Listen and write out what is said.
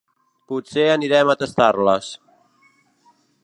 Potser anirem a tastar-les.